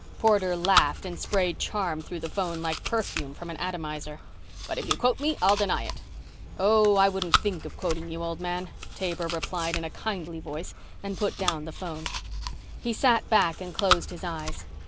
Porter laughed and sprayed charm through the phone like perfume from an atomizer. "But if you quote me, I'll deny it." "Oh, I wouldn't think of quoting you, old man," Taber replied in a kindly voice and put down the phone. He sat back and closed his eyes.